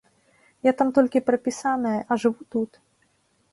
Я там толькі прапісаная, а жыву тут.